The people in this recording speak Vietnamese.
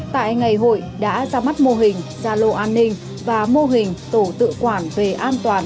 tại ngày hội đã ra mắt mô hình gia lô an ninh và mô hình tổ tự quản về an toàn